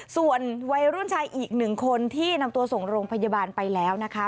ส่วนวัยรุ่นชายอีกหนึ่งคนที่นำตัวส่งโรงพยาบาลไปแล้วนะคะ